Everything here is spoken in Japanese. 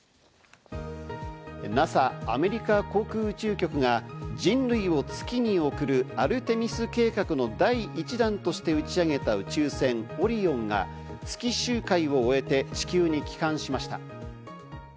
ＮＡＳＡ＝アメリカ航空宇宙局が人類を月に送るアルテミス計画の第１弾として打ち上げた宇宙船「オリオン」が、月周回を終えて、地球に帰還しました。